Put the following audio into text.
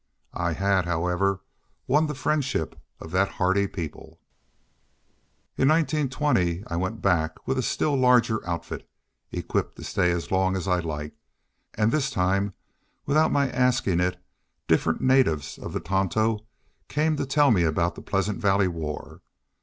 I had, however, won the friendship of that hardy people. In 1920 I went back with a still larger outfit, equipped to stay as long as I liked. And this time, without my asking it, different natives of the Tonto came to tell me about the Pleasant Valley War.